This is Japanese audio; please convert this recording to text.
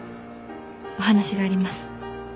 お話があります。